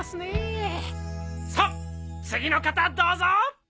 さあ次の方どうぞ！